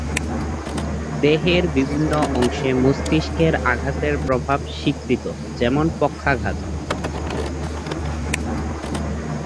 দেহের বিভিন্ন অংশে মস্তিষ্কের আঘাতের প্রভাব স্বীকৃত, যেমন পক্ষাঘাত।